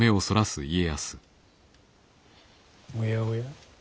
おやおや